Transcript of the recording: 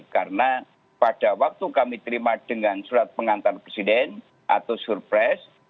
karena pada waktu kami terima dengan surat pengantar presiden atau surprise